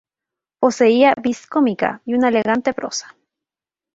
Poseía vis cómica y una elegante prosa.